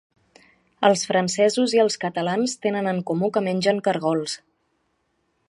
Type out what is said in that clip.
Els francesos i els catalans tenen en comú que mengen cargols.